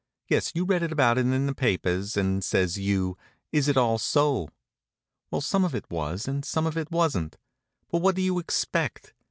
Yes, you read about it in the papers, and says you: "Is it all so?" Well, some of it was, and some of it wasn't. But what do you expect?